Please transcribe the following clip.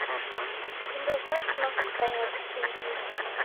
Vindo vadima kukaia visingie.